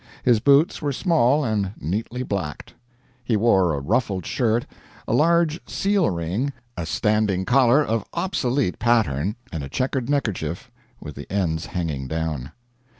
His boots were small and neatly blacked. He wore a ruffled shirt, a large seal ring, a standing collar of obsolete pattern, and a checkered neckerchief with the ends hanging down.